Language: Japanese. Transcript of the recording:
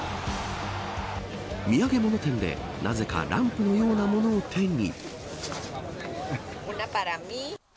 土産物店で、なぜかランプのようなものを手に。